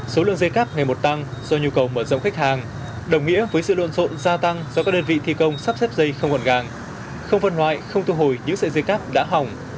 số lượng dây cắp ngày một tăng do nhu cầu mở rộng khách hàng đồng nghĩa với sự lộn rộn gia tăng do các đơn vị thi công sắp xếp dây không quần gàng không vân hoại không thu hồi những sợi dây cắp đã hỏng